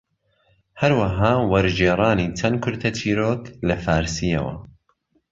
هەروەها وەرگێڕانی چەند کورتە چیرۆک لە فارسییەوە